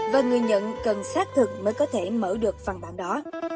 và người nhận cần xác thực mới có thể mở được văn bản đó